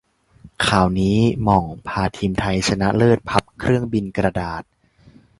ข่าวนี้ - หม่อง พาทีมไทยชนะเลิศพับเครื่องบินกระดาษ